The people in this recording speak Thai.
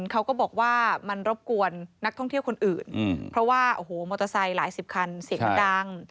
เขาก็บอกว่ามันรบกวนนักท่องเที่ยวคนอื่นเพราะว่าโอ้โหมอเตอร์ไซค์หลายสิบคันเสียงมันดัง